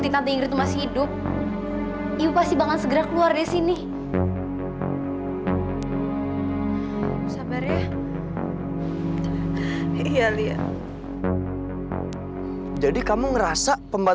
oleh itu bu behavi segera silahkan untuk jepan